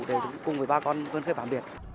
để cùng với bà con